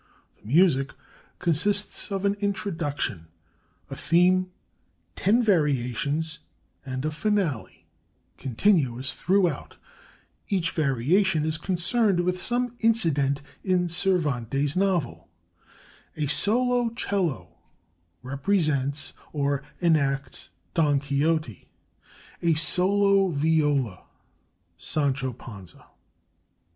The music consists of an Introduction, a Theme, ten variations, and a Finale, continuous throughout. Each variation is concerned with some incident in Cervantes' novel. A solo 'cello represents, or "enacts," Don Quixote; a solo viola, Sancho Panza.